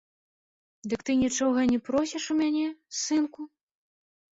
Дык ты нічога і не просіш у мяне, сынку?